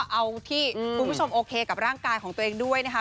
เอาที่คุณผู้ชมโอเคกับร่างกายของตัวเองด้วยนะคะ